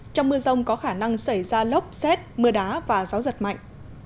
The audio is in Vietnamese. trong mưa rông có khả năng xảy ra lốc xét mưa đá và gió giật mạnh